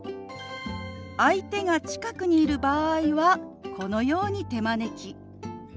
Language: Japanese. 相手が近くにいる場合はこのように手招き。